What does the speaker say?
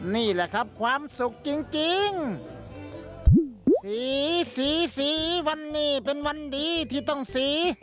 นี่แหละครับความสุขจริงจริงสีสีสีวันนี้เป็นวันดีที่ต้องสี